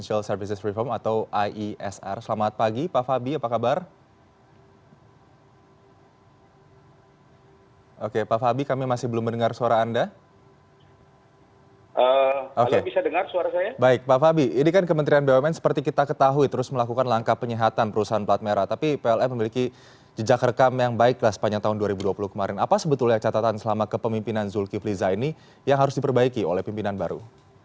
apa sebetulnya catatan selama kepemimpinan zulkifli zaini yang harus diperbaiki oleh pimpinan baru